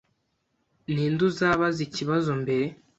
Ninde uzabaza ikibazo mbere?